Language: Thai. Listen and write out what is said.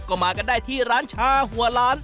ก็มากันได้ที่ร้านชาหัวล้าน